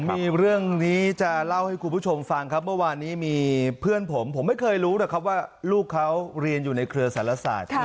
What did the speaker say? มีเรื่องนี้จะเล่าให้คุณผู้ชมฟังครับเมื่อวานนี้มีเพื่อนผมผมไม่เคยรู้หรอกครับว่าลูกเขาเรียนอยู่ในเครือสารศาสตร์